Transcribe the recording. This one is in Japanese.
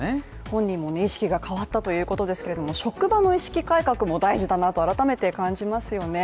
本人も意識が変わったということですけども職場の意識改革も大事だなと改めて感じますよね。